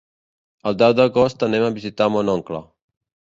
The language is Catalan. El deu d'agost anem a visitar mon oncle.